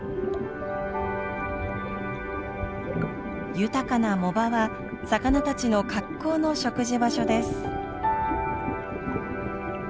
豊かな藻場は魚たちの格好の食事場所です。